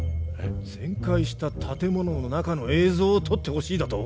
全壊した建物の中の映像を撮ってほしいだと？